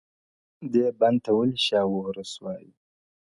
دې بند ته ولي شاه و عروس وايي؟